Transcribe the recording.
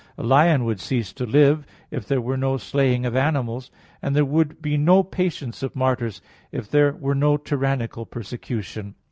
A lion would cease to live, if there were no slaying of animals; and there would be no patience of martyrs if there were no tyrannical persecution.